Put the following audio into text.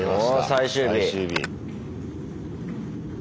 最終日。